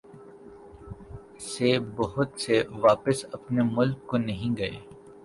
سے بہت سے واپس اپنے ملک کو نہیں گئے۔